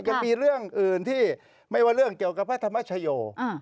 ยังมีเรื่องอื่นที่ไม่ว่าเรื่องเกี่ยวกับพระธรรมชโย